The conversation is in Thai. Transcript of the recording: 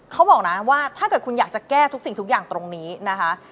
เขาบอกนะว่าถ้าเกิดคุณอยากจะแก้ทุกสิ่งทุกอย่างตรงนี้นะคะ